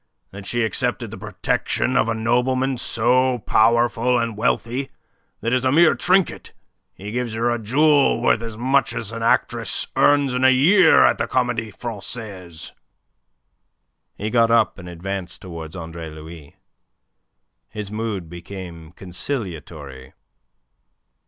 That she accepted the protection of a nobleman so powerful and wealthy that as a mere trinket he gives her a jewel worth as much as an actress earns in a year at the Comedie Francaise?" He got up, and advanced towards Andre Louis. His mood became conciliatory.